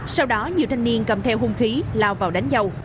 sau đó nhiều thanh niên cầm theo hung khí lao vào đánh dâu